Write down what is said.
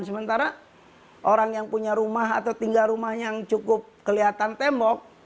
sementara orang yang punya rumah atau tinggal rumah yang cukup kelihatan tembok